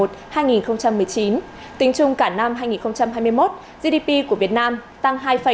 tính chung cả năm hai nghìn hai mươi một gdp của việt nam tăng hai năm mươi tám